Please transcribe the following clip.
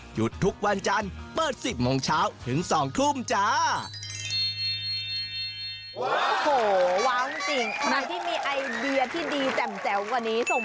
ทุกวันจันทร์เปิด๑๐โมงเช้าถึง๒ทุ่มจ้า